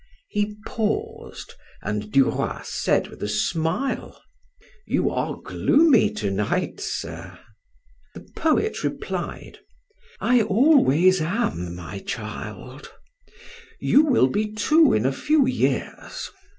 He paused, and Duroy said with a smile: "You are gloomy to night, sir!" The poet replied: "I always am, my child; you will be too in a few years.